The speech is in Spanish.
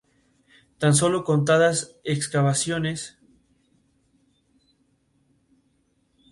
Tan solo contadas ocasiones por motivos externos motivaron un cambio en la denominación.